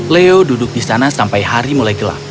leo duduk di sana sampai hari mulai gelap